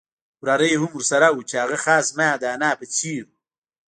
وراره یې هم ورسره وو چې هغه خاص زما د انا په څېر وو.